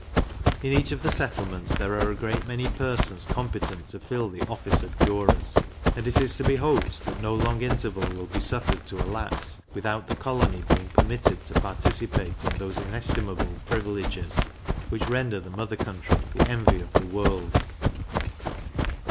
In each of the settlements there are a great many persons competent to fill the office of jurors, and it is to be hoped that no long interval will be suffered to elapse without the colony being permitted to participate in those inestimable privileges which render the mother country the envy of the world.